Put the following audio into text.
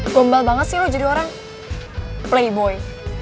gombal banget sih lo jadi orang playboy